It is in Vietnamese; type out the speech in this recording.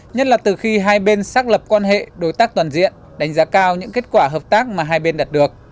nhất là từ khi hai bên xác lập quan hệ đối tác toàn diện đánh giá cao những kết quả hợp tác mà hai bên đạt được